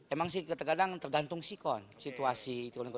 emang sih terkadang tergantung sikon situasi